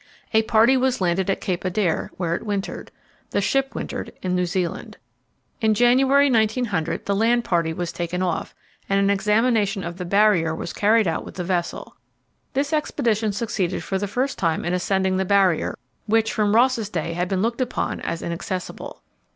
A party was landed at Cape Adare, where it wintered. The ship wintered in New Zealand. In January, 1900, the land party was taken off, and an examination of the Barrier was carried out with the vessel. This expedition succeeded for the first time in ascending the Barrier, which from Ross's day had been looked upon as inaccessible.